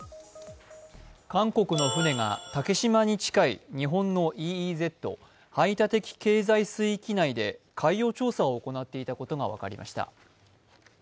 韓国の船が竹島に近い日本のＥＥＺ＝排他的経済水域内で海洋調査を行っていたことが分かりました。